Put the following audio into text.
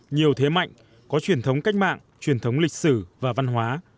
nhiều thế mạnh có truyền thống cách mạng truyền thống lịch sử và văn hóa